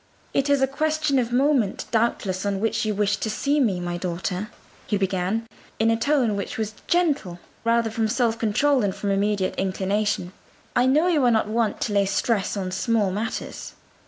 "It is a question of moment, doubtless, on which you wished to see me, my daughter," he began, in a tone which was gentle rather from self control than from immediate inclination. "I know you are not wont to lay stress on small matters."